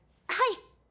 はい。